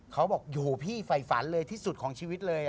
เขาบอกอยู่พี่ไฟฝันเลยที่สุดของชีวิตเลย